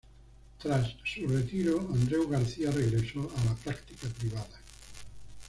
Tras su retiro Andreu García regresó a la práctica privada.